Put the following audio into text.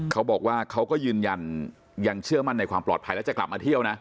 เขาก็ยืนยันยังเชื่อมั่นในความปลอดภัยแล้วจะกลับมาเที่ยวนะ